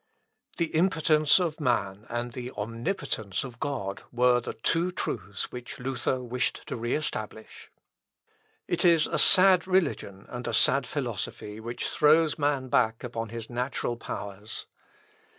The impotence of man, and the omnipotence of God, were the two truths which Luther wished to re establish. It is a sad religion and a sad philosophy which throws man back upon his natural powers.